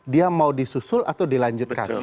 dia mau disusul atau dilanjutkan